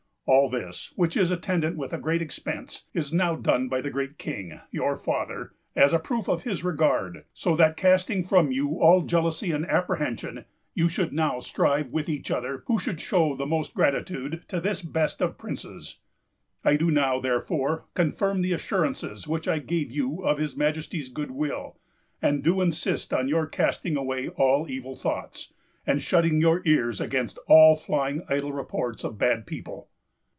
All this, which is attended with a great expense, is now done by the great King, your father, as a proof of his regard; so that, casting from you all jealousy and apprehension, you should now strive with each other who should show the most gratitude to this best of princes. I do now, therefore, confirm the assurances which I give you of his Majesty's good will, and do insist on your casting away all evil thoughts, and shutting your ears against all flying idle reports of bad people."